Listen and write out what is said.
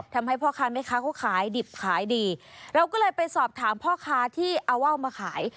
ทำให้พ่อค้าแม่ค้าเขาขายดิบขายดีเราก็เลยไปสอบถามพ่อค้าที่เอาว่าวมาขาย